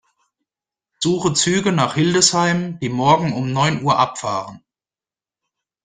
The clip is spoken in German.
Suche Züge nach Hildesheim, die morgen um neun Uhr abfahren.